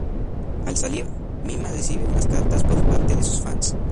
Al salir, Mima recibe unas cartas por parte de sus fans.